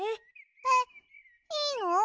えっいいの？